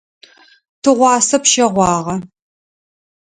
Тыгъуасэ пщэгъуагъэ.